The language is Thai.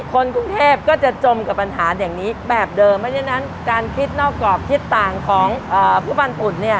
คนกรุงเทพก็จะจมกับปัญหาแบบเดิมฉะนั้นการคิดนอกกรอบคิดต่างของผู้พันธุ์อุ่น